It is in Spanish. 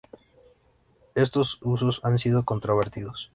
Estos usos han sido controvertidos.